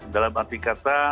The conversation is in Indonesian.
dalam arti kata